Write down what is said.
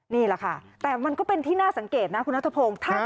นี่แหละค่ะแต่มันก็เป็นที่น่าสังเกตนะคุณนัทพงศ์